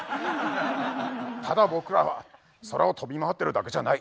ただ僕らは空を飛び回ってるだけじゃない。